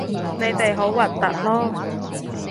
你哋好核突囉